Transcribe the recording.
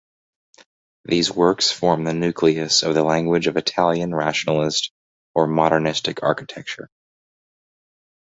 These works form the nucleus of the language of Italian rationalist or modernistic architecture.